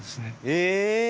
え！